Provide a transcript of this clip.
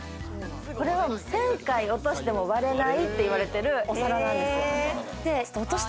これは１０００回落としても割れないって言われてる、お皿なんですよ。